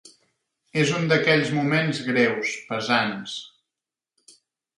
És un d'aquells moments greus, pesants.